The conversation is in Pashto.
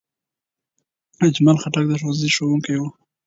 اجمل خټک د ښوونځي ښوونکی و.